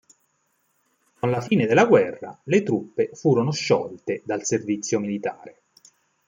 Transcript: Con la fine della guerra, le truppe furono sciolte dal servizio militare.